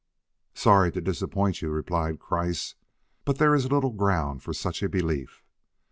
"Sorry to disappoint you," replied Kreiss, "but there is little ground for such a belief."